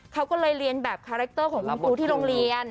เขาก็เลยเรียนแบบคาแรคเตอร์ของคุณครูที่โรงเรียน